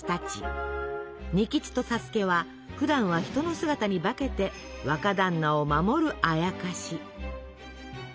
仁吉と佐助はふだんは人の姿に化けて若だんなを守るあやかし。